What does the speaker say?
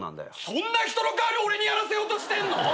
そんな人の代わり俺にやらせようとしてんの？